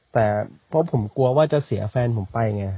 แต่เพราะผมกลัวว่าจะเสียแฟนผมไปไง